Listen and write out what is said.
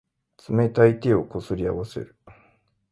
冷たい手をこすり合わせる。